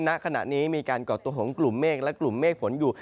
ณขณะนี้มีการก่อตัวของกลุ่มเมฆและกลุ่มเมฆฝนอยู่